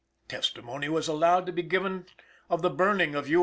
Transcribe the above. Testimony was allowed to be given of the burning of U.